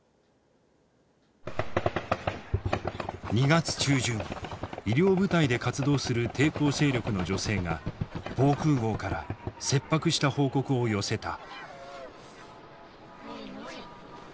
２月中旬医療部隊で活動する抵抗勢力の女性が防空壕から切迫した報告を寄せた。